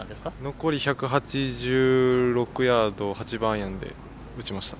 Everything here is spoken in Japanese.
残り１８６ヤードを８番アイアンで打ちました。